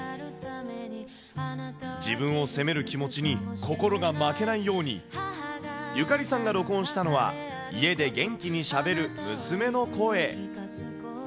自分を責める気持ちに心が負けないように、ゆかりさんが録音したのは、家で元気にしゃべる娘の声。